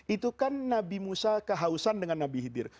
itu kan nabi musa kehausan dengan nabi hidir